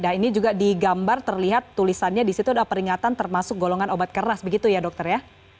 nah ini juga digambar terlihat tulisannya di situ ada peringatan termasuk golongan obat keras begitu ya dokter ya